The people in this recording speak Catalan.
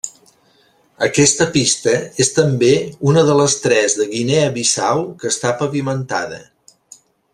Aquesta pista és també una de les tres de Guinea Bissau que està pavimentada.